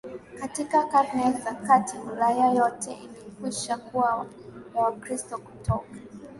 Katika Karne za Kati Ulaya yote ilikwisha kuwa ya Kikristo Kutoka